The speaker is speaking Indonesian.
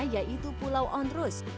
yaitu pulau ondrus